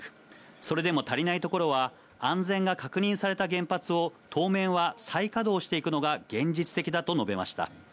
それでも足りないところは、安全が確認された原発を当面は再稼働していくのが現実的だと述べました。